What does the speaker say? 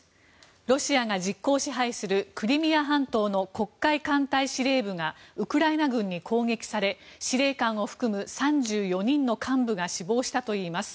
ロシアが実効支配するクリミア半島の黒海艦隊司令部がウクライナ軍に攻撃され司令官を含む３４人の幹部が死亡したといいます。